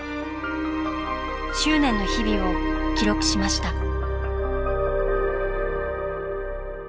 執念の日々を記録しました。